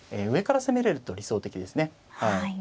上から攻めれると理想的ですね。